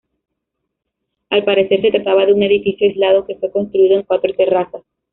Al parecer, se trataba de un edificio aislado que fue construido en cuatro terrazas.